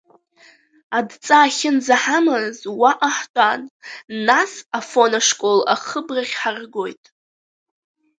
Адҵа ахьынӡаҳамаз уаҟа ҳтәан, нас Афон ашкол ахыбрахь ҳаргоит.